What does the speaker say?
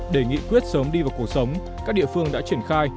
để nghị quyết sớm đi vào cuộc sống các địa phương đã triển khai